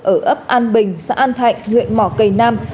ở ấp an bình xã an thạnh huyện mỏ cầy nam